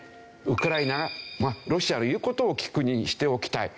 ウクライナがロシアの言う事を聞く国にしておきたい。